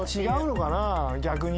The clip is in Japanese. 逆に。